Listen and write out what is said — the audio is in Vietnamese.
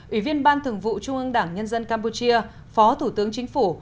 ủy viên ban thường vụ trung ương đảng nhân dân campuchia phó thủ tướng chính phủ